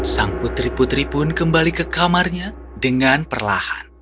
sang putri putri pun kembali ke kamarnya dengan perlahan